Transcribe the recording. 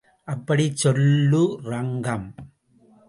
அப்படிச் சொல்லு ரங்கம்.